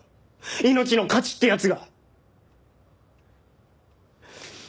命の価値ってやつが。